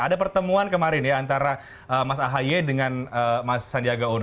ada pertemuan kemarin ya antara mas ahy dengan mas sandiaga uno